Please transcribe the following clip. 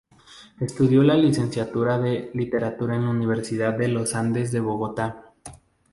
Estudió la licenciatura en Literatura en la Universidad de los Andes de Bogotá.